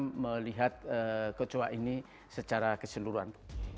kita bisa melihat kecoa ini secara keseluruhan